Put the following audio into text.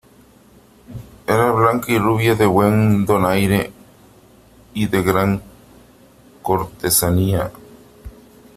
era blanca y rubia , de buen donaire y de gran cortesanía .